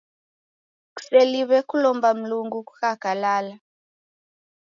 Kuseliw'e kulomba Mlungu kukakalala.